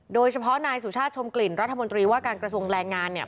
โดยเฉพาะนายสุชาติชมกลิ่นรัฐมนตรีว่าการกระทรวงแรงงานเนี่ย